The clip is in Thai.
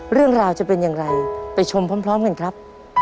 เรื่องราวจะเป็นอย่างไรไปชมพร้อมกันครับ